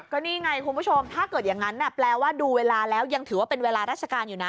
ก็นี่ไงคุณผู้ชมถ้าเกิดอย่างนั้นแปลว่าดูเวลาแล้วยังถือว่าเป็นเวลาราชการอยู่นะ